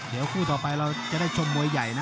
เดี๋ยวคู่ต่อไปเราจะได้ชมมวยใหญ่นะ